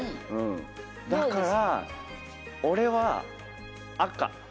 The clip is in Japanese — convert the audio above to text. だから、俺は赤。